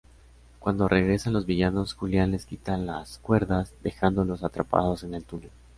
Cuando regresan los villanos, Julian les quita las cuerdas, dejándolos atrapados en el túnel.